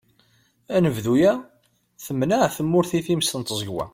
Anebdu-a, temneε tmurt i tmes n tẓegwa.